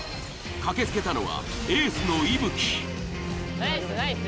駆けつけたのはエースのｉｂｕｋｉ。